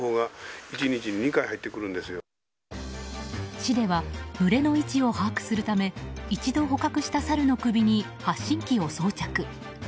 市では群れの位置を把握するため一度捕獲したサルの首に発信器を装着。